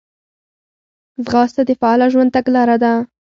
ځغاسته د فعاله ژوند تګلاره ده